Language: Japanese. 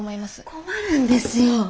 困るんですよ。